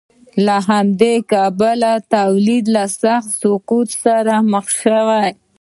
له همدې کبله تولید له سخت سقوط سره مخ شو.